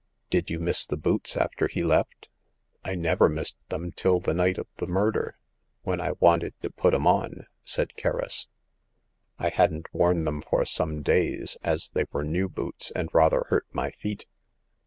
Did you miss the boots after he left ?"I never missed them till the night of the murder, when I wanted to put 'em on," said Kerris. '* I hadn't worn them for some days, as they were new boots, and rather hurt my feet."